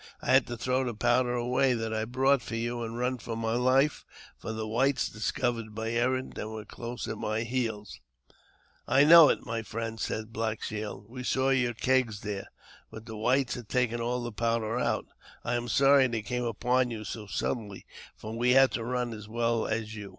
I had to throw the powder away that I brought for you, and run for my life ; for the whites discovered my errand, and were close at my heels." " I know it, my friend," said the Black Shield. '* We saw your kegs there^ but the whites had taken all the powder out. I am sorry they came upon you so suddenly, for we had to run as well as you."